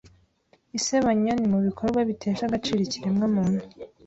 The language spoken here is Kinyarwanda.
isebanya n’i mu bikorwa bitesha agaciro ikiremwa muntu